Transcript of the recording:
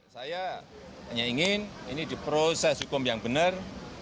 saya hanya ingin ini diproses hukum yang benar